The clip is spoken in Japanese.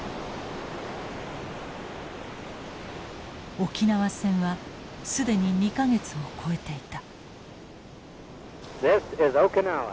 沖縄戦は既に２か月を超えていた。